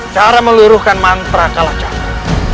cara meluruhkan mantra kalacag